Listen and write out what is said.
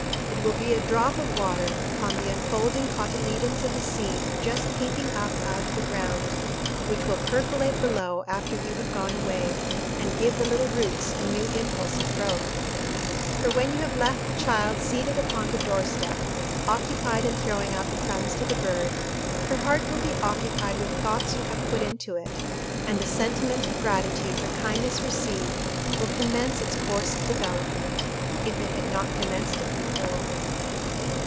It will be a drop of water upon the unfolding cotyledons of a seed just peeping up out of the ground, which will percolate below after you have gone away, and give the little roots a new impulse of growth. For when you have left the child seated upon the door step, occupied in throwing out the crumbs to the bird, her heart will be occupied with the thoughts you have put into it, and the sentiment of gratitude for kindness received will commence its course of development, if it had not commenced it before.